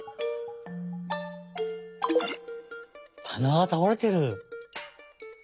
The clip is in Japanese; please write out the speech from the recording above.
たながたおれてる。